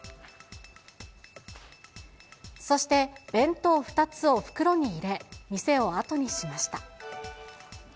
そして、弁当２つを袋に入れ、店を後にしました。